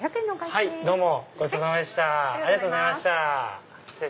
はいどうも。